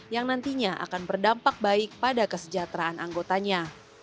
yang nantinya akan berdampak baik pada kesejahteraan anggotanya